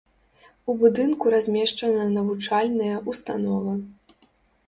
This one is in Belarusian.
У будынку размешчана навучальная ўстанова.